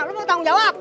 lo mau bertanggung jawab